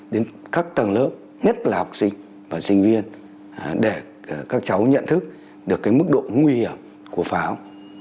đến các tầng lớp nhất là học sinh và sinh viên để các cháu nhận thức được mức độ nguy hiểm của pháo